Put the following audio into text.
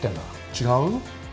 違う？